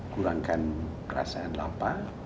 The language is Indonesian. kurangkan rasa lapar